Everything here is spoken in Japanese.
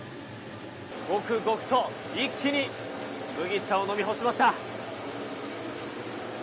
ごくごくと一気に麦茶を飲み干しました。